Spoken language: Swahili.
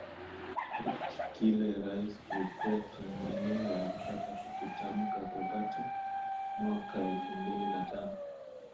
kile Rais Kikwete mwenyewe alipata kukitamka mwaka elfumbili na tano